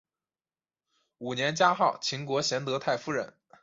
五年加号秦国贤德太夫人。